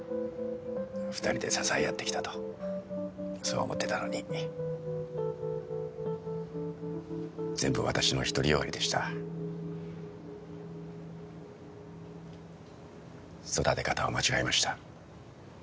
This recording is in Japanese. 二人で支え合ってきたとそう思ってたのに全部私の独りよがりでした育て方を間違えました